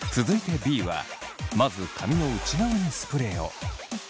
続いてＢはまず髪の内側にスプレーを。